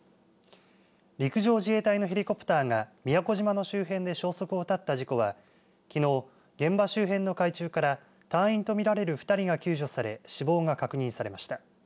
陸上自衛隊のヘリコプターが宮古島の周辺で消息を絶った事故はきのう、現場周辺の海中から隊員と見られる２人が救助され死亡が確認されました。